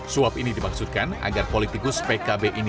suap ini dimaksudkan agar politikus pkb ini